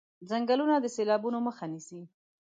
ځنګلونه د سېلابونو مخه نيسي.